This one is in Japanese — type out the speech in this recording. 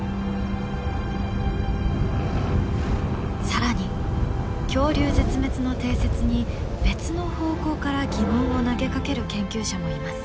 更に恐竜絶滅の定説に別の方向から疑問を投げかける研究者もいます。